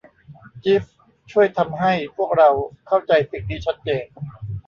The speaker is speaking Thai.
จีฟส์ ช่วยทำให้พวกเราเข้าใจสิ่งนี้ชัดเจน